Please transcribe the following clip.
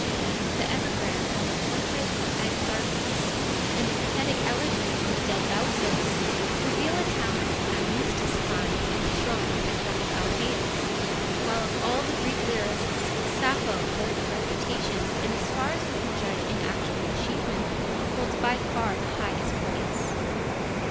g., the epigram on the portrait of Agatharchis and the pathetic elegy on the dead Baucis, reveal a talent at least as fine and strong as that of Alcaeus ; while of all the Greek lyrists, Sappho, both in reputation and as far as we can judge in actual achievement, holds by far the highest place.